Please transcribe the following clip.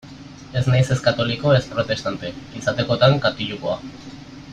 Ez naiz ez katoliko ez protestante; izatekotan katilukoa.